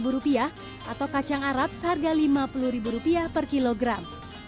tiga puluh delapan puluh rupiah atau kacang arab seharga lima puluh rupiah per kilogram